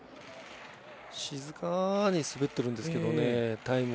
静かに滑ってるんですけどね。